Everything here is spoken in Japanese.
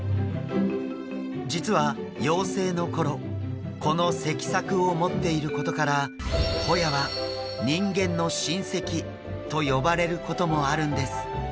実は幼生の頃この脊索を持っていることからホヤは人間の親せきと呼ばれることもあるんです。